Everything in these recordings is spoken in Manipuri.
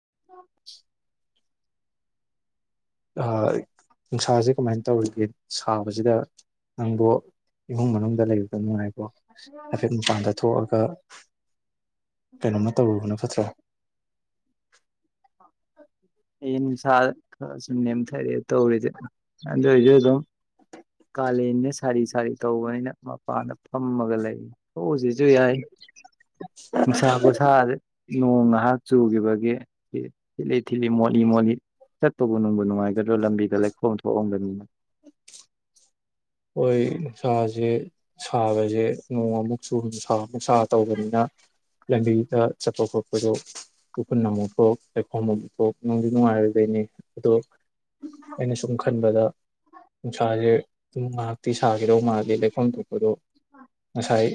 [inaudible] ꯅꯨꯡꯁꯥꯁꯦ ꯀꯃꯥꯏꯅ ꯇꯧꯔꯤꯒꯦ ꯁꯥꯕꯁꯤꯗ ꯅꯪꯕꯨ ꯏꯃꯨꯡ ꯃꯅꯨꯡꯗ ꯂꯩꯕ ꯅꯨꯡꯉꯥꯏꯕꯣ ꯍꯥꯏꯐꯦꯠ ꯃꯄꯥꯟꯗ ꯊꯣꯛꯑꯒ ꯀꯩꯅꯣꯃ ꯇꯧꯔꯨꯕꯅ ꯐꯠꯇ꯭ꯔꯣ [inaudible] ꯑꯩ ꯅꯨꯡꯁꯥ ꯈꯔ ꯁꯨꯝ ꯅꯦꯝꯊꯔꯑꯦ ꯇꯧꯔꯤꯁꯦ ꯑꯗꯨ ꯑꯣꯏꯏꯁꯨ ꯑꯗꯨꯝ ꯀꯥꯂꯦꯟꯅ ꯁꯥꯔꯤ ꯁꯥꯔꯤ ꯇꯧꯕꯅꯤꯅ ꯃꯄꯥꯟꯗ ꯐꯝꯃꯒ ꯂꯩ ꯊꯣꯛꯎꯁꯤꯁꯨ ꯌꯥꯏ ꯅꯨꯪꯁꯥ ꯈꯨꯠꯁꯥꯗꯤ ꯅꯣꯡ ꯉꯥꯏꯍꯥꯛ ꯆꯨꯈꯤꯕꯒꯤ ꯊꯤꯠꯂꯤ ꯊꯤꯠꯂꯤ ꯃꯣꯠꯂꯤ ꯃꯣꯠꯂꯤ ꯆꯠꯄꯕꯨ ꯅꯨꯡꯕꯨ ꯅꯨꯡꯉꯥꯏꯒꯗ꯭ꯔꯣ ꯂꯝꯕꯤꯗ ꯂꯩꯈꯣꯝ ꯊꯣꯛꯑꯝꯒꯅꯤꯅꯦ ꯍꯣꯏ ꯁꯥꯁꯦ ꯁꯥꯕꯖꯦ ꯅꯣꯡ ꯑꯃꯨꯛ ꯆꯨ ꯁꯥ ꯑꯃꯨꯛ ꯁꯥ ꯇꯧꯕꯅꯤꯅ ꯂꯝꯕꯤꯗ ꯆꯠꯄ ꯈꯣꯠꯄꯗ ꯎ꯭ꯐꯨꯟ ꯑꯃꯨꯛ ꯊꯣꯛ ꯂꯩꯈꯣꯝ ꯑꯃꯨꯛ ꯊꯣꯛ ꯅꯨꯡꯗꯤ ꯅꯨꯡꯉꯥꯏꯔꯣꯏꯗꯣꯏꯅꯤ ꯑꯗꯣ ꯑꯩꯅ ꯁꯨꯝ ꯈꯟꯕꯗ ꯅꯨꯡꯁꯥꯖꯦ ꯑꯗꯨꯝ ꯉꯥꯏꯍꯥꯛꯇꯤ ꯁꯥꯈꯤꯗꯧ ꯃꯥꯜꯂꯤ ꯂꯩꯈꯣꯝ ꯊꯣꯛꯄꯗꯣ ꯉꯁꯥꯏ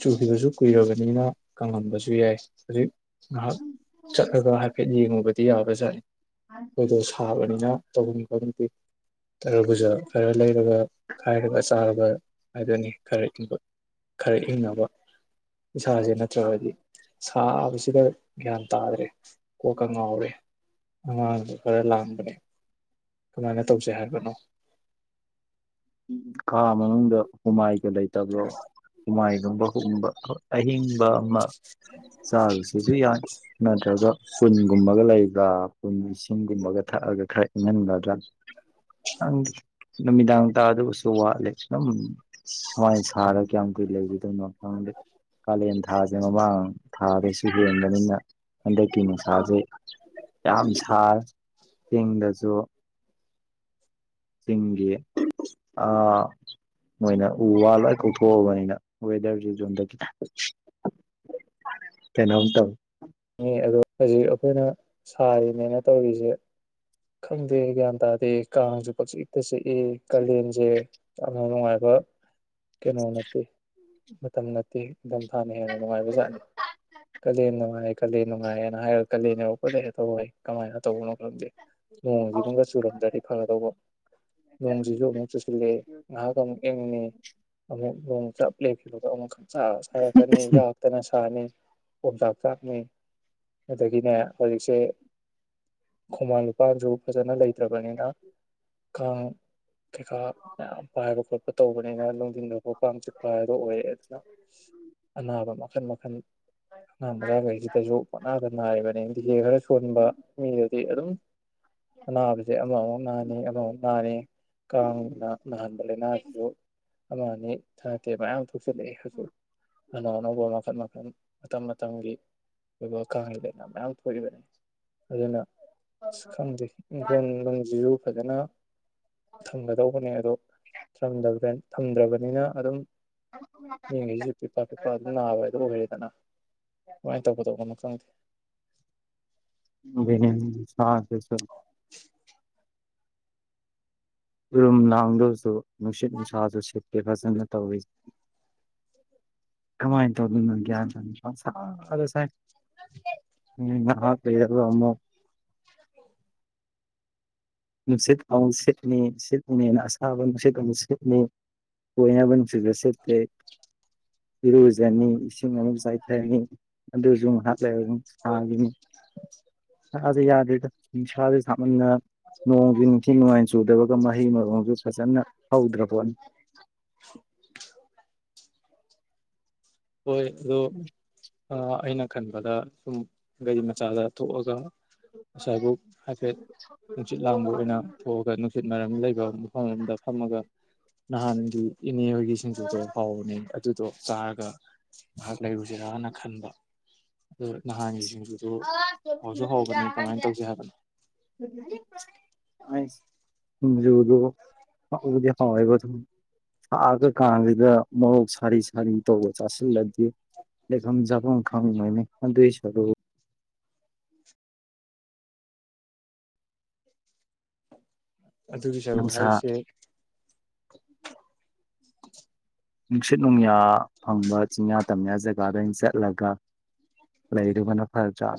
ꯆꯨꯈꯤꯕꯁꯨ ꯀꯨꯏꯔꯕꯅꯤꯅ ꯀꯪꯉꯝꯕꯁꯨ ꯌꯥꯏ ꯍꯧꯖꯤꯛ ꯉꯥꯏꯍꯥꯛ ꯆꯠꯂꯒ ꯍꯥꯏꯐꯦꯠ ꯌꯦꯡꯉꯨꯕ ꯗꯤ ꯌꯥꯕꯥꯖꯠꯅꯤ ꯑꯩꯈꯣꯏꯗꯣ ꯁꯥꯕꯅꯤꯅ ꯇꯧꯐꯝ ꯈꯪ ꯇꯔꯥꯕꯨꯖꯥ ꯈꯔ ꯂꯩꯔꯒ ꯈꯥꯏꯔꯒ ꯆꯥꯔꯕ ꯍꯥꯏꯕꯅꯤ ꯈꯔ ꯏꯪꯕ ꯈꯔ ꯏꯪꯅꯕ ꯏꯁꯥꯁꯦ ꯅꯠꯇ꯭ꯔꯕꯗꯤ ꯁꯥ ꯁꯤꯗ ꯒ꯭ꯌꯥꯟ ꯇꯥꯗ꯭ꯔꯦ ꯀꯣꯛꯀ ꯉꯥꯎꯔꯦ ꯑꯉꯥꯡꯗꯨ ꯈꯔ ꯂꯥꯡꯕꯅꯦ ꯀꯃꯥꯏꯅ ꯇꯧꯁꯦ ꯍꯥꯏꯕꯅꯣ ꯈꯥ ꯃꯅꯨꯡꯗ ꯍꯨꯃꯥꯏꯒ ꯂꯩ ꯇꯥꯕꯔꯣ ꯍꯨꯃꯥꯏ [unintelligible] ꯑꯍꯤꯡ ꯑꯃ [unintelligible] ꯌꯥꯅꯤ ꯅꯠꯇ꯭ꯔꯒ ꯀꯨꯟꯒꯨꯝꯕꯒ ꯂꯩꯕ꯭ꯔꯥ ꯏꯁꯤꯡꯒꯨꯝꯕꯒ ꯊꯛꯑꯒ ꯈꯔ ꯏꯪꯍꯜꯂꯗꯔ꯭ [unintelligible] ꯅꯨꯃꯤꯗꯥꯡ ꯇꯥꯗꯨꯕꯨꯁꯨ ꯋꯥꯠꯂꯦ ꯑꯗꯨꯝ ꯁꯨꯃꯥꯏꯅ ꯁꯥꯔꯒ ꯀꯌꯥꯝꯃ ꯀꯨꯏ ꯂꯩꯒꯤꯗꯧꯅꯣ ꯈꯪꯗꯦ ꯀꯥꯂꯦꯟ ꯊꯥꯁꯦ ꯃꯃꯥꯡ [unintelligible] ꯍꯦꯟꯕꯅꯤꯅ ꯍꯟꯗꯛꯀꯤ ꯅꯨꯡꯁꯥꯁꯦ ꯌꯥꯝ ꯁꯥꯔꯦ ꯆꯤꯡꯗꯁꯨ ꯆꯤꯡꯒꯤ ꯑ ꯃꯣꯏꯅ ꯎ ꯋꯥ ꯂꯣꯏꯅ ꯀꯣꯛꯊꯣꯛꯑꯕꯅꯤꯅ ꯋꯦꯗꯔꯁꯤ [unintelligible] ꯈꯤꯇꯪ ꯀꯩꯅꯣꯝ ꯇꯧꯋꯤ ꯑꯗꯣ ꯍꯧꯖꯤꯛ ꯑꯈꯣꯏꯅ ꯁꯥꯔꯤꯅꯦꯅ ꯇꯧꯔꯤꯁꯦ ꯈꯪꯗꯦ ꯒ꯭ꯌꯥꯟ ꯇꯥꯗꯦ ꯀꯥꯡꯁꯨ ꯄꯛꯆꯤꯛꯇ ꯆꯤꯛꯏ ꯀꯥꯂꯦꯟꯁꯦ ꯌꯥꯝꯅ ꯅꯨꯡꯉꯥꯏꯕ ꯀꯩꯅꯣ ꯅꯠꯇꯦ ꯃꯇꯝ ꯅꯠꯇꯦ ꯅꯤꯡꯊꯝꯊꯥꯅ ꯍꯦꯟꯅ ꯅꯨꯡꯉꯥꯏꯕꯖꯥꯠꯅꯤ ꯀꯥꯂꯦꯟ ꯅꯨꯡꯉꯥꯏ ꯀꯂꯦꯟ ꯅꯨꯡꯉꯥꯏꯌꯦꯅ ꯍꯥꯏꯔꯒ ꯀꯂꯦꯟ ꯌꯧꯔꯛꯄꯗ [unintelligible] ꯀꯃꯥꯏꯅ ꯇꯧꯕꯅꯣ ꯅꯣꯡꯁꯤꯒꯨꯝꯒ ꯆꯨꯔꯝꯗ꯭ꯔꯗꯤ ꯐꯒꯗꯧꯕ ꯅꯣꯡꯁꯤꯁꯨ ꯑꯃꯨꯛ ꯆꯨꯁꯤꯜꯂꯦ ꯉꯍꯥꯛ ꯑꯃꯨꯛ [unintelligible] ꯑꯃꯨꯛ ꯅꯣꯡ ꯆꯞ ꯂꯦꯞꯈꯤꯕꯗ ꯑꯃꯨꯛ ꯁꯥꯔꯛꯀꯅꯤ ꯌꯥꯛꯇꯅ ꯁꯥꯅꯤ ꯑꯣꯝꯆꯥꯛ ꯆꯥꯛꯅꯤ ꯑꯗꯒꯤꯅꯦ ꯍꯧꯖꯤꯛꯁꯦ ꯈꯣꯡꯕꯥꯟ ꯂꯨꯄꯥꯟꯁꯨ ꯐꯖꯅ ꯂꯩꯇ꯭ꯔꯕꯅꯤꯅ ꯀꯥꯡ ꯀꯩꯀ ꯃꯌꯥꯝ ꯄꯥꯏꯕ ꯇꯧꯕꯅꯤꯅ ꯅꯨꯡꯗꯤꯟ [unintelligible] ꯑꯣꯏꯔꯦ ꯑꯗꯨꯅ ꯑꯅꯥꯕ ꯃꯈꯜ ꯃ [unintelligible] [unintelligible] ꯁꯨ ꯄꯛꯅꯥꯗ ꯅꯥꯔꯤꯕꯅꯤ ꯗꯤꯍꯦ ꯈꯔ ꯁꯣꯟꯕ ꯃꯤꯗꯗꯤ ꯑꯗꯨꯝ ꯑꯅꯥꯕꯁꯦ ꯑꯃꯃꯨꯛ ꯅꯥꯅꯤ ꯑꯃꯃꯨꯛ ꯅꯥꯅꯤ ꯀꯥꯡꯅ ꯅꯥꯍꯟꯕ ꯂꯥꯏꯅꯥꯁꯤꯁꯨ ꯑꯃꯅꯤ ꯊꯥꯔꯛꯀꯦ [unintelligible] [unintelligible] ꯑꯅꯧ ꯑꯅꯧꯕ ꯃꯈꯜ ꯃꯈꯟ ꯃꯇꯝ ꯃꯇꯝꯒꯤ ꯑꯣꯏꯕ ꯀꯥꯡ [unintelligible] ꯃꯌꯥꯝ ꯊꯣꯛꯏꯕꯅꯤ ꯑꯗꯨꯅ ꯈꯪꯗꯦ ꯏꯡꯈꯣꯟ ꯅꯨꯡꯖꯤꯖꯨ ꯐꯥꯖꯅ ꯊꯝꯒꯗꯧꯕꯅꯦ ꯑꯗꯣ ꯊꯝꯗꯧꯕ꯭ꯔꯦꯟ ꯊꯝꯗ꯭ꯔꯕꯅꯤꯅ ꯑꯗꯨꯝ ꯃꯤꯉꯩꯁꯨ ꯄꯤꯄ ꯄꯤꯄ ꯑꯗꯨꯝ ꯅꯥꯕ ꯑꯗꯨ ꯂꯣꯏꯔꯦꯗꯅ ꯋꯥꯏ ꯇꯧꯒꯗꯕꯅꯣ ꯈꯪꯗꯦ [unintelligible] ꯔꯨꯝ ꯅꯥꯡꯗꯣꯁꯨ ꯅꯨꯡꯁꯤꯠ ꯅꯨꯡꯁꯥꯖꯨ ꯁꯤꯠ ꯐꯦꯐꯥꯁ ꯆꯪꯗꯅ ꯇꯧꯌꯦ ꯀꯃꯥꯏꯅ ꯇꯧꯗꯣꯏꯅꯣ ꯒ꯭ꯌꯥꯟ [inaudible] ꯑꯥ ꯑꯗꯣ ꯁꯦꯡ ꯎꯝ ꯅꯍꯥ ꯀꯩ ꯍꯥꯏꯕ ꯑꯃꯨꯛ ꯅꯨꯡꯁꯤꯠ ꯑꯃꯨ ꯁꯤꯠꯅꯤ ꯁꯤꯠꯂꯤꯅꯦꯅ ꯑꯁꯥꯕ ꯅꯨꯡꯁꯤꯠ ꯑꯃꯨꯛ ꯁꯤꯠꯅꯤ ꯑꯣꯏꯅꯕ ꯁꯤꯗ ꯁꯤꯠꯇꯦ ꯏꯔꯨꯖꯅꯤ ꯏꯁꯤꯡ ꯑꯃꯨꯛ ꯆꯥꯏꯊꯔꯅꯤ ꯑꯗꯨꯖꯩ ꯉꯥꯏꯍꯛ ꯂꯩꯔ ꯁꯥꯒꯤꯅꯤ ꯁꯥꯖꯦ ꯌꯥꯗꯦꯗ ꯅꯨꯡꯁꯥꯖꯦ ꯁꯥꯃꯟꯅ ꯅꯣꯡꯖꯨ ꯏꯟꯊꯤ ꯅꯨꯡꯉꯥꯏ ꯆꯨꯗꯕꯒ ꯃꯍꯩ ꯃꯔꯣꯡꯖꯨ ꯐꯖꯅ ꯍꯧꯗ꯭ꯔꯄꯣꯠꯅꯤ ꯍꯣꯏ ꯑꯗꯣ ꯑ ꯑꯩꯅ ꯈꯟꯕꯗ ꯁꯨꯝ ꯒꯥꯔꯤ ꯃꯆꯥꯗ ꯊꯣꯛꯑꯒ ꯑꯁꯥꯏꯕꯨꯛ ꯍꯥꯏꯐꯦꯠ ꯅꯨꯡꯁꯤꯠ ꯂꯥꯡꯕ ꯑꯣꯏꯅ ꯊꯣꯛꯑꯒ ꯅꯨꯡꯁꯤꯠ ꯃꯔꯝ ꯂꯩꯕ ꯃꯐꯝ ꯑꯃꯗ ꯐꯝꯃꯒ ꯅꯍꯥꯟ ꯎ ꯑꯦ ꯅꯤꯌꯣꯔꯒꯤ ꯁꯤꯡꯖꯨꯗꯣ ꯍꯥꯎꯕꯅꯦ ꯗꯨꯗꯣ ꯆꯥꯔꯒ ꯉꯥꯍꯛ ꯂꯩꯔꯨꯖꯤꯔꯅ ꯈꯟꯕ ꯑꯗꯨ ꯅꯍꯥꯟꯒꯤ ꯁꯤꯡꯖꯨꯗꯨ ꯑ ꯍꯥꯎꯁꯨ [unintelligible] ꯍꯥꯎꯕꯅꯤ ꯀꯃꯥꯏꯅ ꯑꯉꯥꯡꯖꯦ ꯇꯧꯁꯦ ꯍꯥꯏꯕꯅꯣ ꯅꯥꯏꯁ ꯎꯝ ꯖꯦꯑꯣ ꯗꯣꯑꯣ ꯍꯥꯎꯕꯗꯤ ꯍꯥꯎꯌꯦꯕ ꯊꯝ ꯁꯥꯒ ꯀꯥꯡꯖꯤꯗ ꯃꯣꯔꯣꯛ ꯁꯥꯔꯤ ꯁꯥꯔꯤ ꯇꯧꯕ ꯆꯥꯁꯤꯜꯂ ꯗꯥ ꯂꯩꯕꯝ ꯆꯥꯕꯝ ꯈꯪꯉꯣꯏꯃꯤ ꯗꯨꯏꯁꯔꯨ ꯑꯗꯨꯒꯤ ꯁꯔꯨꯛ ꯅꯨꯡꯁꯥ ꯍꯥꯏꯔꯤꯁꯦ ꯅꯨꯡꯁꯤꯠ ꯅꯨꯡꯌꯥ ꯐꯪꯕ ꯆꯤꯡꯌꯥ ꯇꯝꯌꯥ ꯖꯒꯥꯗ ꯑꯣꯏ ꯆꯠꯂꯒ ꯂꯩꯔꯨꯕꯅ ꯐꯗ꯭ꯔꯥ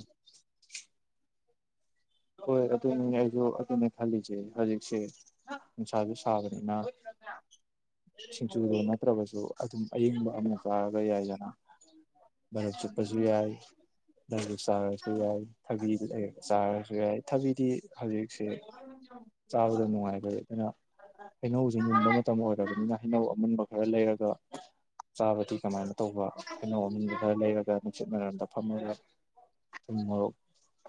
ꯍꯣꯏ ꯑꯗꯨꯅꯤ ꯑꯩꯖꯨ ꯑꯗꯨꯅꯦ ꯈꯜꯂꯤꯁꯦ ꯍꯧꯖꯤꯛꯁꯦ ꯅꯨꯡꯁꯥꯖꯨ ꯁꯥꯕ ꯅ ꯆꯤꯡꯆꯨꯗꯣ ꯅꯠꯇ꯭ꯔꯕꯁꯨ ꯑꯗꯨꯝ ꯑꯏꯪꯕ ꯑꯃ ꯆꯥꯔꯒ ꯌꯥꯏꯗꯅ ꯕꯔꯞ ꯆꯨꯞꯄꯖꯨ ꯌꯥꯏ ꯗꯔꯕꯨ ꯆꯥꯔꯁꯨ ꯌꯥꯏ ꯊꯕꯤꯗꯨ ꯂꯩꯔꯒ ꯆꯥꯔꯁꯨ ꯊꯥꯕꯤꯗꯤ ꯍꯧꯖꯤꯛ ꯁꯦ ꯆꯥꯕꯗ ꯅꯨꯡꯉꯥꯏ [unintelligible] ꯑꯩꯈꯣꯏꯅꯥ ꯍꯩꯅꯧꯁꯦ ꯃꯨꯟꯕ ꯃꯇꯝ ꯑꯣꯏꯔꯕꯅꯤꯅ ꯍꯩꯅꯧ ꯑꯃꯨꯟꯕ ꯈꯔ ꯂꯩꯔꯒ ꯆꯥꯕꯗꯤ ꯀꯃꯥꯏꯅ ꯇꯧꯕ ꯍꯩꯅꯧ ꯑꯃꯨꯟꯕꯥ ꯈꯔ ꯂꯩꯔꯒ ꯅꯨꯡꯆꯤꯠ ꯃꯔꯝꯗ ꯐꯝꯃꯒ ꯊꯨꯝ ꯃꯣꯔꯣꯛ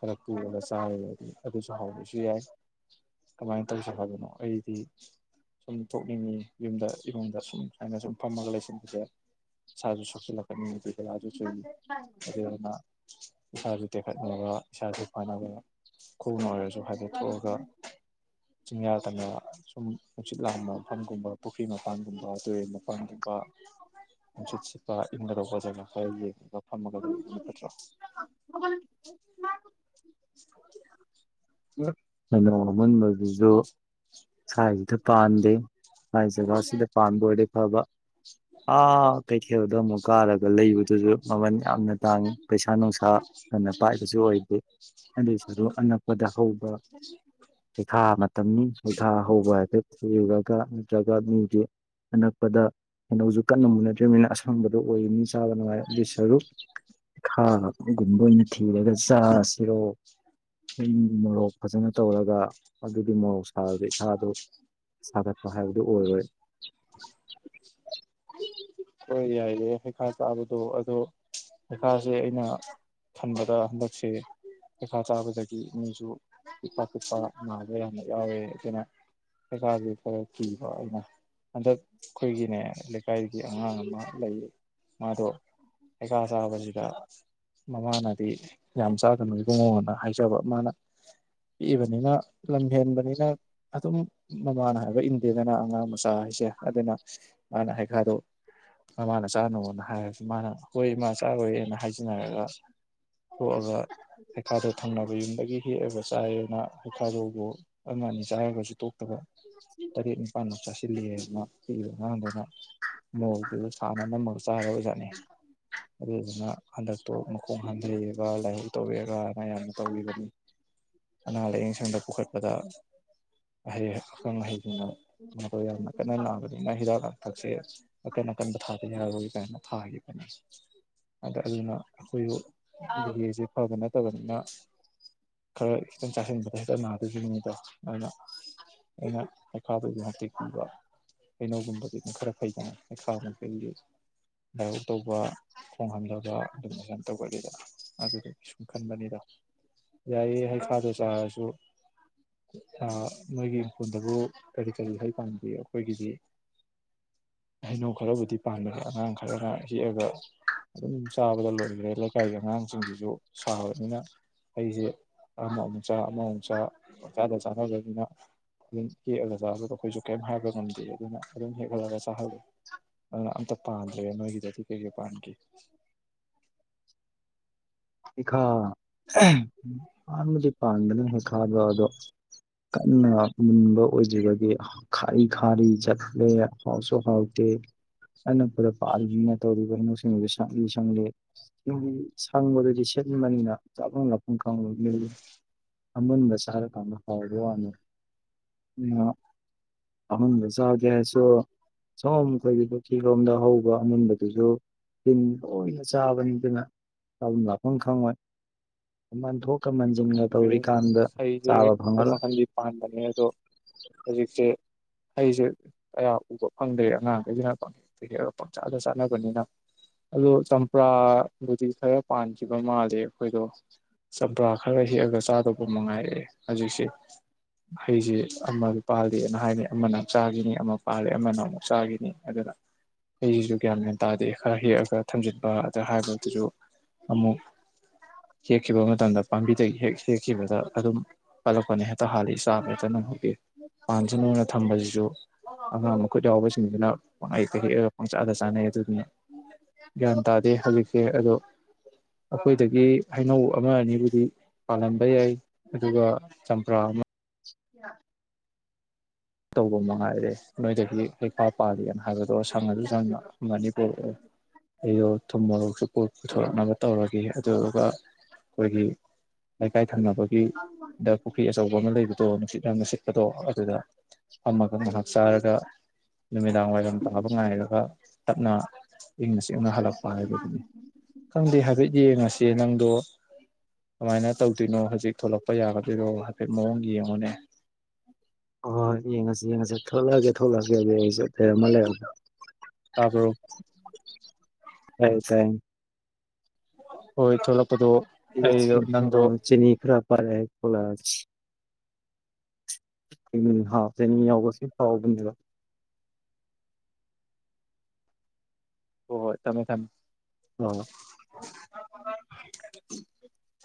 ꯈꯔ ꯄꯨꯔꯒ ꯆꯥꯔꯨꯔꯗꯤ ꯑꯗꯨꯁꯨ ꯍꯥꯎꯕꯁꯨ ꯌꯥꯏ ꯀꯃꯥꯏꯅ ꯇꯧꯁꯦ ꯍꯥꯏꯕꯅꯣ ꯑꯩꯗꯤ ꯁꯨꯝ ꯊꯣꯛꯅꯤꯡꯉꯤ ꯌꯨꯝꯗ ꯏꯃꯨꯡꯗ ꯁꯨꯝ ꯁꯨꯃꯥꯏꯅ ꯁꯨꯝ ꯐꯝꯃꯒ ꯂꯩꯁꯤꯟꯕꯁꯦ ꯏꯁꯥꯁꯨ ꯁꯣꯛꯆꯤꯜꯂꯛꯄ [unintelligible] ꯑꯗꯨꯗꯨꯅ ꯏꯁꯥꯁꯨ ꯇꯦꯛꯈꯠꯅꯕ ꯏꯁꯥꯁꯨ ꯐꯅꯕ ꯈꯣꯡꯅ ꯑꯣꯏꯔꯁꯨ ꯍꯥꯏꯐꯦꯠ ꯊꯣꯛꯑꯒ ꯆꯤꯡꯌꯥ ꯇꯝꯌꯥ ꯁꯨꯝ ꯅꯨꯡꯁꯤꯠ ꯂꯥꯛꯍꯟꯕ ꯃꯐꯝꯒꯨꯝꯕ ꯄꯨꯈ꯭ꯔꯤ ꯃ [unintelligible] ꯅꯨꯡꯁꯤꯠ ꯁꯤꯠꯄ ꯏꯪꯒꯗꯧꯕ ꯖꯒꯥ ꯈꯔ ꯌꯦꯡꯉꯒ ꯐꯝꯃꯒ ꯂꯩꯌꯨꯕꯅꯥ ꯐꯠꯇ꯭ꯔꯣ [inaudible] [unintelligible] ꯑꯃꯨꯟꯕꯗꯨꯁꯨ ꯁꯥꯏꯁꯤꯗ ꯄꯥꯟꯗꯦ ꯍꯥꯏ ꯖꯒꯥꯁꯤꯗ ꯄꯥꯟꯕ ꯑꯣꯏꯔꯗꯤ ꯐꯕ ꯑꯥ ꯀꯩꯊꯦꯜꯗꯣ ꯑꯃꯨꯛ ꯀꯥꯔꯒ ꯂꯩꯕꯗꯨꯁꯨ ꯃꯃꯟ ꯌꯥꯝꯅ ꯇꯥꯡꯏ ꯄꯩꯁꯥ ꯅꯨꯡꯁꯥ ꯐꯅ ꯄꯥꯏꯕꯁꯨ ꯑꯣꯏꯗꯦ ꯑꯗꯨꯏꯁꯨ ꯑꯅꯛꯄ ꯗ ꯍꯧꯕ ꯍꯩꯈꯥ ꯑꯃ ꯇꯝꯅꯤ ꯄꯊꯥ ꯍꯧꯕ ꯍꯥꯏꯐꯦꯠ ꯊꯤꯔꯨꯔꯒ ꯅꯠꯇ꯭ꯔꯒ ꯃꯤꯁꯦ ꯑꯅꯛꯄꯗ ꯍꯩꯅꯧꯁꯨ ꯀꯟꯅ ꯃꯨꯅꯗ꯭ꯔꯤꯕꯅꯤꯅ ꯑꯁꯪꯕꯗ ꯑꯣꯏ ꯃꯤ ꯆꯥꯕ ꯅꯨꯡꯉꯥꯏ ꯑꯗꯨꯏ ꯁꯔꯨꯛ ꯈꯥꯒꯨꯝꯕ ꯑꯣꯏꯅ ꯊꯤꯔꯒ ꯆꯥꯁꯤꯔꯣ [unintelligible] ꯒꯤ ꯃꯣꯔꯣꯛ ꯐꯖꯅ ꯇꯧꯔꯒ ꯑꯗꯨꯒꯤ ꯃꯣꯔꯣꯛꯁ ꯍꯥꯎꯗꯤ ꯍꯥꯗꯣ ꯁꯥꯒꯠꯄ ꯍꯥꯏꯕꯗꯨ ꯑꯣꯏꯔꯣꯏ ꯍꯣꯏ ꯌꯥꯏꯌꯦ ꯍꯩꯈꯥ ꯆꯥꯕꯗꯣ ꯑꯗꯣ ꯍꯩꯈꯥꯁꯦ ꯑꯩꯅ ꯈꯟꯕꯗ ꯍꯟꯗꯛꯁꯦ ꯍꯩꯈꯥ ꯆꯥꯕꯗꯒꯤ ꯃꯤꯖꯨ ꯄꯤꯠꯄ ꯄꯤꯠꯄꯥ ꯅꯥꯕꯥ ꯌꯥꯝ ꯂꯩ ꯌꯥꯎꯌꯦ ꯑꯗꯨꯅ ꯄꯩꯈꯥꯁꯦ ꯈꯔ ꯀꯤꯕ ꯑꯩꯅ ꯍꯟꯗꯛ ꯑꯩꯈꯣꯏꯒꯤꯅꯦ [inaudible] ꯑꯉꯥꯡ ꯑꯃ ꯂꯩꯌꯦ ꯃꯥꯗꯣ ꯍꯩꯈꯥ ꯆꯕꯁꯤꯗ ꯃꯃꯥꯅꯗꯤ ꯌꯥꯝ ꯆꯥꯒꯅꯨ ꯏꯕꯨꯡꯉꯣꯅ ꯍꯥꯏꯖꯕ ꯃꯥꯅ ꯄꯤꯛꯏꯕꯅꯤꯅ ꯂꯝ ꯍꯦꯟꯕꯅꯤꯅ ꯑꯗꯨꯝ ꯃꯃꯥꯅ ꯍꯥꯏꯕ ꯏꯟ ꯗꯦꯗꯅ ꯑꯉꯥꯡ ꯃꯆꯥ ꯍꯥꯏꯁꯦ ꯑꯗꯨꯅ ꯃꯥꯅ ꯍꯥꯏ ꯗꯣ ꯃꯃꯥꯅ ꯆꯥꯅꯣꯅ ꯍꯥꯏꯔ ꯃꯥꯅ ꯍꯣꯏ ꯏꯃꯥ ꯆꯥꯔꯣꯏꯅ ꯍꯥꯏꯖꯟꯅꯔꯒ [unintelligible] ꯊꯣꯛꯑꯒ ꯍꯩꯈꯥꯗꯣ ꯊꯪꯅꯕ ꯌꯨꯝꯗꯒꯤ ꯍꯦꯛꯑꯒ ꯆꯥꯏꯑꯅ ꯍꯩꯈꯥꯗꯨꯕꯨ ꯑꯃ ꯑꯅꯤ ꯆꯥꯔꯒꯁꯨ ꯇꯣꯛ ꯇꯕ ꯇꯔꯦꯠ ꯅꯤꯄꯥꯥꯟꯃꯨꯛ ꯆꯥꯁꯤꯜꯂꯦꯌꯦ ꯄꯤꯛꯏꯕ ꯑꯉꯥꯡꯗꯨꯅ ꯃꯣꯔꯣꯛꯇꯨꯖꯨ ꯁꯥꯅ ꯅꯝꯃꯒ ꯆꯥꯔꯕ ꯖꯥꯠꯅꯦ ꯑꯗꯨꯗꯨꯅ ꯍꯟꯗꯛꯇꯣ ꯃꯈꯣꯡ ꯍꯥꯝꯊꯩꯒ ꯂꯥꯏꯍꯧ ꯇꯧꯋꯦꯒ ꯃꯌꯥꯝꯅ ꯇꯧꯔꯤꯕꯅꯤ ꯑꯅꯥ ꯂꯥꯏꯌꯦꯡ ꯁꯪꯗ ꯄꯨꯈꯠꯄꯗ ꯑꯈꯪ ꯑꯍꯩꯁꯤꯡꯅ ꯃꯥꯗꯣ ꯌꯥꯝꯅ ꯀꯟꯅ ꯅꯥꯕꯅꯤꯅ ꯍꯤꯗꯥꯛ ꯂꯥꯡꯊꯛꯁꯦ ꯑꯀꯟ ꯑꯀꯟꯕ ꯊꯥꯗ ꯌꯥꯔꯣꯏ ꯀꯥꯏꯅ ꯊꯥꯈꯤꯕꯅꯤ ꯑꯗ ꯑꯗꯨꯅ ꯑꯩꯈꯣꯏꯁꯨ ꯗꯤꯍꯦꯖꯦ ꯐꯗ ꯅ ꯇꯕꯅꯤꯅ ꯈꯔ ꯈꯤꯇꯪ ꯆꯥꯁꯤꯟꯕꯗ ꯍꯦꯛꯇ ꯅꯥꯗꯣꯏꯒꯤꯅꯤꯗꯣ ꯑꯗꯨꯅ ꯑꯩꯅ ꯍꯩꯈꯥꯗꯨ ꯌꯥꯟꯇꯦꯛ ꯄꯤꯕ ꯍꯩꯅꯧꯒꯨꯝꯕꯗꯤ ꯈꯔ ꯐꯩꯗꯅ ꯍꯩꯈꯥ ꯃꯈꯩꯗꯤ ꯂꯥꯏꯍꯧ ꯇꯧꯕ ꯈꯣꯡ ꯍꯥꯝꯗꯕ ꯌꯥꯝ ꯇꯧꯒꯜꯂꯤꯗꯅ ꯑꯗꯨꯒꯤ ꯁꯨꯝ ꯈꯟꯕꯅꯤꯗ ꯌꯥꯏꯌꯦ ꯍꯩꯈꯥꯗꯣ ꯆꯥꯔꯁꯨ ꯑ ꯅꯣꯏꯒꯤ ꯏꯪꯈꯣꯜꯗꯕꯨ ꯀꯔꯤ ꯀꯔꯤ ꯍꯩ ꯄꯥꯟꯒꯦ ꯑꯩꯈꯣꯏꯒꯤꯗꯤ ꯍꯩꯅꯧ ꯈꯔꯕꯨꯗꯤ ꯄꯥꯟꯕꯅꯤ ꯑꯉꯥꯡ ꯈꯔꯅ ꯍꯦꯛꯑꯒ ꯑꯗꯨꯝ ꯆꯥꯕꯗ ꯂꯣꯏꯈ꯭ꯔꯦ ꯂꯩꯀꯥꯏꯒꯤ ꯑꯉꯥꯡꯁꯤꯗꯨꯖꯨ ꯁꯥꯕꯅꯤꯅ ꯍꯩꯁꯦ ꯑꯃꯃꯨꯛ ꯆ ꯑꯃꯃꯨꯛ ꯆ ꯃꯪ ꯆꯥꯗ ꯆꯥꯅꯕꯅꯤꯅ ꯑꯗꯨꯝ ꯍꯦꯛꯑꯒ ꯆꯥꯕꯗꯣ ꯑꯩꯈꯣꯏꯁꯨ ꯀꯩꯝ ꯍꯥꯏꯕ ꯉꯝꯗꯦ ꯑꯗꯨꯅ ꯑꯗꯨꯝ ꯍꯦꯛ ꯍꯜꯂꯒ ꯆꯥꯍꯜꯂꯦ ꯑꯗꯨꯅ ꯑꯝꯇ ꯄꯥꯟꯗ꯭ꯔꯦ ꯅꯣꯏꯒꯤꯗꯗꯤ ꯀꯩ ꯀꯩ ꯄꯥꯟꯒꯦ ꯍꯩꯈꯥ ꯄꯥꯟꯕꯨꯗꯤ ꯄꯥꯟꯕꯅꯤ ꯍꯩꯈꯥꯗꯣ ꯑꯗꯣ ꯀꯟꯅ ꯃꯨꯟꯕ ꯑꯣꯏꯗ꯭ꯔꯤꯕꯗꯤ ꯈꯥꯔꯤ ꯈꯥꯔꯤ ꯆꯠꯂꯦ ꯍꯥꯎꯁꯨ ꯍꯥꯎꯇꯦ ꯑꯅꯛꯄꯗ ꯄꯥꯜꯂꯤꯅꯤꯅ ꯇꯧꯔꯤꯕ ꯍꯩꯅꯧꯁꯤꯡꯗꯨ ꯁꯪꯂꯤ ꯁꯪꯂꯤ ꯁꯪꯕꯗꯗꯤ ꯁꯤꯟꯕꯅꯤꯅ ꯆꯥꯐꯝ ꯂꯥꯛꯐꯝ ꯈꯪꯡꯅꯠꯇꯦ ꯑꯃꯨꯟꯕ ꯆꯥꯔꯀꯥꯟꯗ ꯍꯥꯎꯕ ꯋꯥꯅꯤ ꯑꯃꯨꯟꯕ ꯆꯥꯒꯦ ꯍꯥꯏꯔꯁꯨ ꯁꯣꯝ ꯑꯩꯈꯣꯏꯒꯤ ꯄꯨꯈ꯭ꯔꯤ ꯂꯣꯝꯗ ꯍꯧꯕ ꯑꯃꯨꯟꯕꯗꯨꯁꯨ ꯇꯤꯟ ꯂꯣꯏꯅ ꯆꯥꯕꯅꯤ ꯑꯗꯨꯅ ꯆꯥꯐꯝ ꯂꯥꯛ- ꯐꯝ ꯈꯪꯉꯣꯏ ꯃꯟ ꯊꯣꯛ ꯈꯪꯗ꯭ꯔꯦ ꯍꯩꯖꯦ ꯃꯈꯟ ꯐꯪꯉꯔꯣꯏ ꯃꯈꯟꯗꯤ ꯄꯥꯟꯕꯅꯦ ꯑꯗꯣ ꯍꯦꯖꯤꯛꯁꯦ ꯍꯩꯖ ꯑꯌꯥꯝꯕꯥ ꯑꯃ ꯇꯥ ꯎꯕꯥ [unintelligible] ꯈꯔ ꯍꯦꯛꯑꯒ ꯆꯥꯗꯧꯕ ꯃꯉꯥꯏꯔꯦ ꯍꯧꯖꯤꯛꯁꯦ ꯍꯩꯁꯤ ꯑꯃ ꯄꯥꯜꯂꯦꯅ ꯍꯥꯏꯅꯤ ꯑꯃꯅ ꯑꯃ ꯆꯥꯈꯤꯅꯤ ꯑꯃ ꯄꯥꯜꯂꯤ ꯑꯃꯅ ꯑꯃꯨꯛ ꯆꯥꯈꯤꯅꯤ ꯑꯗꯨꯅ ꯍꯩꯁꯤꯁꯨ ꯒꯌꯥꯟ ꯃꯦꯟ ꯇꯥꯗꯦ ꯈꯔ ꯍꯦꯛꯑꯒ ꯊꯝꯖꯤꯟꯕ ꯑꯗꯩ ꯍꯥꯏꯔꯨꯗꯧꯗꯨꯁꯨ ꯑꯃꯨꯛ ꯍꯦꯛꯈꯤꯕ ꯃꯇꯝꯗ ꯄꯥꯝꯕꯤꯗꯒꯤ ꯍꯦꯛ ꯍꯦꯛꯈꯤꯕꯗ ꯑꯗꯨꯝ ꯄꯠꯂꯛꯄꯅ ꯍꯦꯛꯇ ꯍꯥꯜꯂꯛꯏ ꯆꯥꯕ ꯍꯦꯛꯇ ꯅꯪ ꯍꯧꯗꯦ ꯄꯥꯟꯁꯅꯣꯅ ꯊꯝꯕꯗꯨꯁꯨ ꯑꯉꯥꯡ ꯃꯈꯨꯠ ꯌꯥꯎꯕꯁꯤꯡꯁꯤꯅ ꯄꯪꯍꯩꯛꯇ ꯍꯦꯛꯑꯒ ꯄꯪꯆꯥꯗ ꯆꯥꯅꯩ ꯑꯗꯨꯗꯨꯅ ꯒ꯭ꯌꯥꯟ ꯇꯥꯗꯦ ꯍꯧꯖꯤꯛꯁꯦ ꯑꯗꯣ ꯑꯩꯈꯣꯏꯗꯒꯤ ꯍꯩꯅꯧ ꯑꯃ ꯑꯅꯤꯕꯨꯗꯤ ꯗꯤ ꯄꯥꯜꯂꯝꯕ ꯌꯥꯏ ꯑꯗꯨꯒ ꯆꯝꯄ꯭ꯔꯥ ꯑꯃ ꯇꯧꯕ ꯃꯉꯥꯏꯔꯦ ꯅꯣꯏꯗꯒꯤ ꯍꯩꯈꯥ ꯄꯥꯜꯂꯤꯅ ꯍꯥꯏꯕꯗꯣ ꯁꯪꯉꯖꯨ ꯁꯪꯅ ꯑꯃ ꯑꯅꯤ ꯄꯨꯔꯛꯑꯣ ꯑꯩꯗꯣ ꯊꯨꯝ ꯃꯣꯛꯁꯨ ꯄꯨꯊꯣꯔꯛꯅꯕ ꯇꯧꯔꯒꯦ ꯑꯗꯨꯗꯨꯒ ꯑꯩꯈꯣꯏꯒꯤ ꯂꯩꯀꯥꯏ ꯊꯪꯅꯕꯒꯤꯗ ꯄꯨꯈ꯭ꯔꯤ ꯑꯆꯧꯕ ꯑꯃ ꯂꯩꯕꯗꯣ ꯅꯨꯡꯁꯤꯠ ꯌꯥꯝꯅꯅꯨꯡ ꯁꯤꯠꯄꯗꯣ ꯑꯗꯨꯗ ꯑꯃꯛ ꯉꯍꯥꯛ ꯆꯥꯔꯒ ꯅꯨꯃꯤꯗꯥꯡ ꯋꯥꯏꯔꯝ ꯇꯥꯕ ꯉꯥꯏꯔꯒ ꯇꯞꯅ ꯏꯪꯅ ꯆꯤꯛꯅ ꯍꯜꯂꯛꯄ ꯍꯥꯏꯕꯗꯨꯅꯤ ꯈꯪꯗꯦ ꯍꯥꯏꯐꯦꯠ ꯌꯦꯡꯉꯁꯤ ꯅꯪꯗꯣ ꯀꯃꯥꯏꯅ ꯇꯧꯗꯣꯏꯅꯣ ꯍꯧꯖꯤꯛ ꯊꯣꯛꯂꯛꯄ ꯌꯥꯒꯗꯣꯏꯔꯣ ꯍꯥꯏꯐꯦꯠ ꯃꯑꯣꯡ ꯌꯦꯡꯉꯨꯅꯦ ꯍꯣꯏ ꯍꯣꯏ ꯌꯦꯡꯉꯁꯤ ꯌꯦꯡꯉꯁꯤ ꯊꯣꯛꯂꯛꯑꯒꯦ ꯊꯣꯛꯂꯛꯑꯒꯦ ꯑꯗꯨꯗꯤ ꯑꯩꯁꯨ ꯂꯩꯔꯝꯃꯣ ꯂꯩꯔꯝꯃꯣ [inaudible] [unintelligible] ꯍꯣꯏ ꯊꯣꯛꯂꯛ ꯑ ꯆꯤꯅꯤ ꯈꯔ [unintelligible] [unintelligible] [unintelligible] ꯍꯣꯏ ꯍꯨꯏ ꯊꯝꯃꯦ ꯊꯝꯃꯦ꯫ [unintelligible] [inaudible]